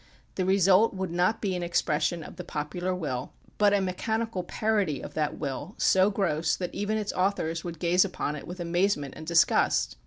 The result would not be an expression of the popular will, but a mechanical parody of that will so gross that even its authors would gaze upon it with amaze ment and disgust.